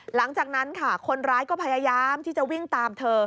หลังจากนั้นค่ะคนร้ายก็พยายามที่จะวิ่งตามเธอ